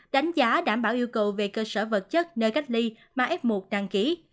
đánh giá đảm bảo yêu cầu về cơ sở vật chất nơi cách ly mà f một đăng ký